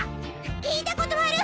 聞いたことある！